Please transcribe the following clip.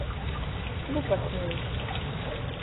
Lupatnīks.